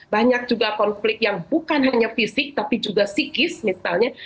banyak juga konflik yang bukan hanya fisik tapi juga psikis misalnya